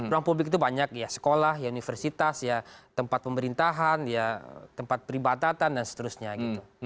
ruang publik itu banyak ya sekolah universitas tempat pemerintahan ya tempat peribatatan dan seterusnya gitu